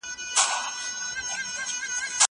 زه پرون د کتابتون لپاره کار وکړل!!